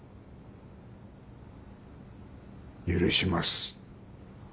許します。